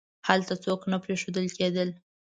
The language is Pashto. هلته څوک نه پریښودل کېدل.